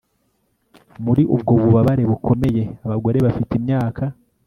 muri ubwo bubabare bukomeye abagore bafite imyaka